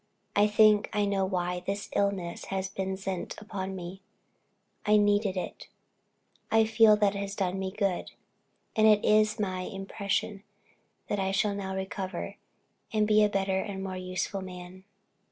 I think I know why this illness has been sent upon me I needed it I feel that it has done me good and it is my impression, that I shall now recover, and be a better and more useful man."